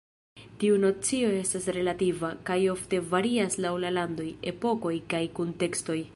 Tiu nocio estas relativa, kaj ofte varias laŭ la landoj, epokoj kaj kuntekstoj.